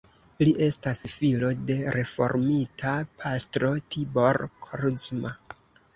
Li estas filo de reformita pastro Tibor Kozma.